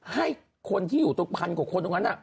๑ให้คนที่อยู่ทุกพันธุ์กับคนตรงนั้น